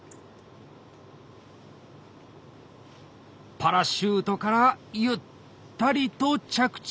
パラシュートからゆったりと着地しました。